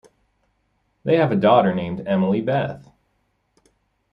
They have a daughter named Emily Beth.